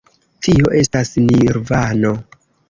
Tio estas Nirvano.